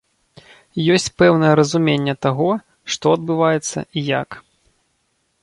Ёсць пэўнае разуменне таго, што адбываецца і як.